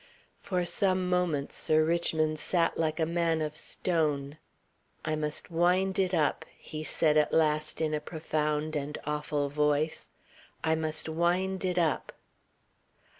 For some moments Sir Richmond sat like a man of stone. "I must wind it up," he said at last in a profound and awful voice. "I must wind it up."